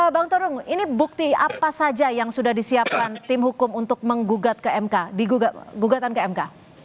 bang torung ini bukti apa saja yang sudah disiapkan tim hukum untuk menggugat ke mk di gugatan ke mk